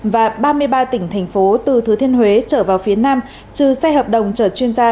và ba mươi ba tỉnh thành phố từ thứ thiên huế trở vào phía nam trừ xe hợp đồng chở chuyên gia